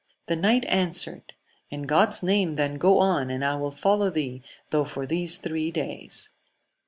The knight answered, in God's name then go on, and I will follow thee though for these three days.